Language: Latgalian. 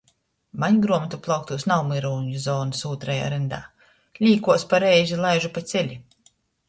Maņ gruomotu plauktūs nav myrūņu zonys ūtrajā ryndā, līkuos par reizi laižu pa celi.